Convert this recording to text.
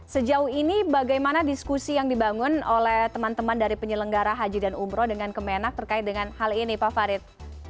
sejauh ini bagaimana diskusi yang dibangun oleh teman teman dari penyelenggara haji dan umroh dengan kemenak terkait dengan hal ini pak farid